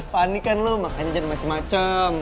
panikan lo makanya jangan macem macem